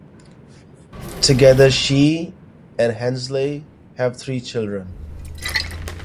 Together, she and Hensley have three children.